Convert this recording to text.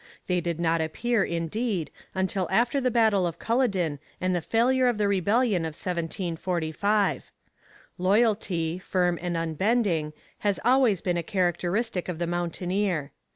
They did not appear, indeed, until after the battle of Culloden and the failure of the Rebellion of 1745. Loyalty, firm and unbending, has always been a characteristic of the mountaineer.